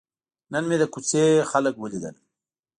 نن مې د کوڅې خلک ولیدل.